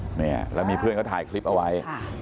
เนี่ยแล้วมีเพื่อนเขาถ่ายคลิปเอาไว้